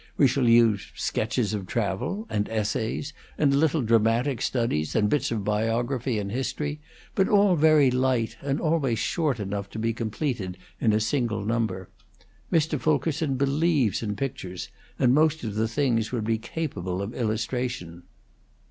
We shall use sketches of travel, and essays, and little dramatic studies, and bits of biography and history; but all very light, and always short enough to be completed in a single number. Mr. Fulkerson believes in pictures, and most of the things would be capable of illustration."